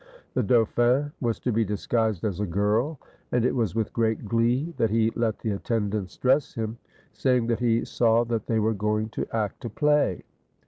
The dauphin was to be disguised as a girl, and it was with great glee that he let the attendants dress him, saying that he saw that they were going to act a play.